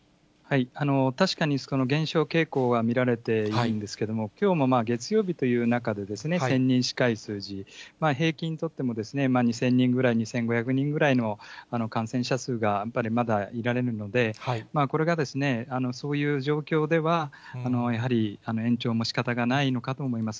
確かに減少傾向は見られているんですけれども、きょうも月曜日という中で１０００人近い数字、平均を取っても２０００人ぐらい、２５００人ぐらいの感染者数がやっぱりまだ見られるので、これがですね、そういう状況では、やはり延長もしかたがないのかと思います。